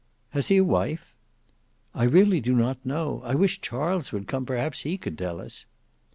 "Has he a wife?" "I really do not know. I wish Charles would come, perhaps he could tell us."